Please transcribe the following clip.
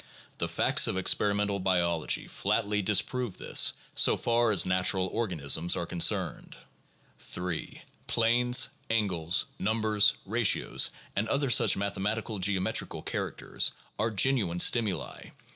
The facts of experimental biology flatly dis prove this so far as natural organisms are concerned. 3. Planes, angles, numbers, ratios, and other such mathematical geometrical characters are genuine stimuli.